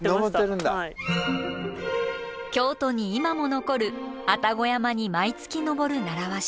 京都に今も残る愛宕山に毎月登る習わし。